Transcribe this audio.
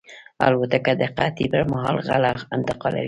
الوتکه د قحطۍ پر مهال غله انتقالوي.